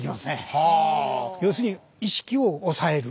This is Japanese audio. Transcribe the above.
要するに意識を抑える。